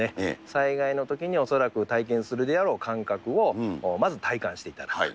災害のときに恐らく体験するであろう感覚をまず体感していただく。